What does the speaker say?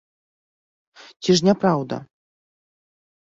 Ці ж не праўда?